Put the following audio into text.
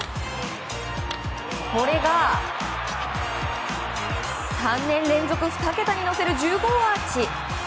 これが３年連続２桁に乗せる１０号アーチ。